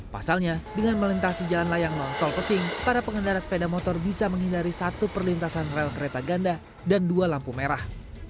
pasalnya dengan melintasi jalan layang nontol pesing para pengendara sepeda motor bisa menghindari satu perlintasan rel kereta ganda dan dua lampu merah